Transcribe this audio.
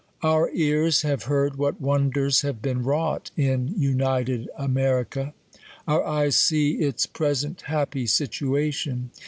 Our ears have heard what wonders have been wrought in l)nited America. Our eyes see its pres ent happy situation.